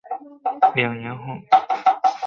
两年后重返有线新闻任高级记者。